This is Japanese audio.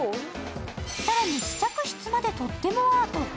更に試着室までとってもアート。